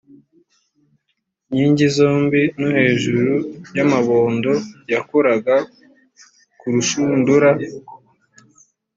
nkingi zombi no hejuru y amabondo yakoraga ku rushundura